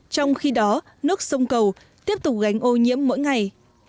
trong khi đó nước sông cầu tiếp tục gánh ô nhiễm mỗi ngày